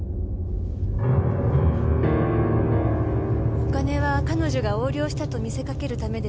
お金は彼女が横領したと見せかけるためですね。